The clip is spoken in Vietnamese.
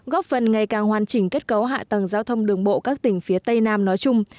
góp phần ngày càng hoàn chỉnh kết cấu hạ tầng giao thông đường bộ các tỉnh phía tây nam nói chung